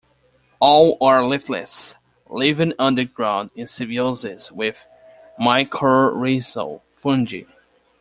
All are leafless, living underground in symbiosis with mycorrhizal fungi.